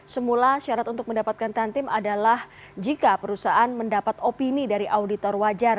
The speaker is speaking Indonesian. semula syarat untuk mendapatkan tantim adalah jika perusahaan mendapat opini dari auditor wajar